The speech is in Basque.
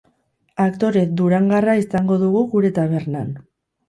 Aktore durangarra izango dugu gure tabernan.